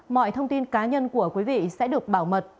mọi thông tin cá nhân của quý vị sẽ được bảo mật